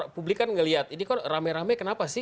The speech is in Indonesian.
publik kan melihat ini kan rame rame kenapa sih